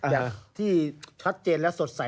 อย่างที่ชัดเจนและสนุกนะครับ